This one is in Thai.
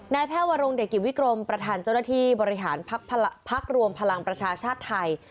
นายแพ้วัลงเดขิมวิกรมประถานเจ้าหน้าที่บริหารภักรวมพลังประชาชนชาติไทย